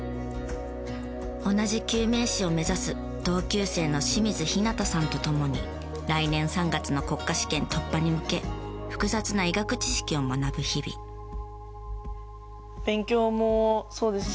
同じ救命士を目指す同級生の清水日向さんと共に来年３月の国家試験突破に向け複雑な医学知識を学ぶ日々。と思ってます。